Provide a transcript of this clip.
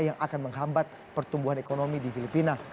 yang akan menghambat pertumbuhan ekonomi di filipina